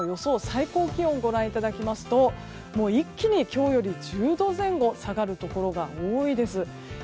最高気温、ご覧いただきますと一気に今日より１０度前後下がるところが多いです。